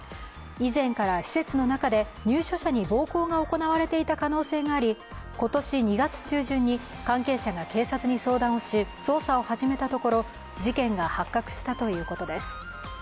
以前から施設の中で入所者に暴行が行われていた可能性があり今年２月中旬に関係者が警察に相談し捜査を始めたところ事件が発覚したということです。